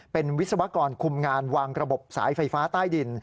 เป็นวิศวกรคุมงานวางระบบสายไฟฟ้าใต้ดิน